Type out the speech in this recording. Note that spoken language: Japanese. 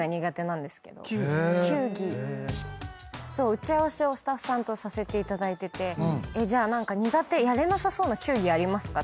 打ち合わせをスタッフさんとさせていただいててじゃあ何かやれなさそうな球技ありますか？